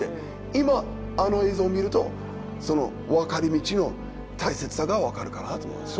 今あの映像を見るとその分かれ道の大切さが分かるかなと思うんです。